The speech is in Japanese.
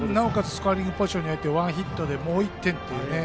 スコアリングポジションになってワンヒットでもう１点という。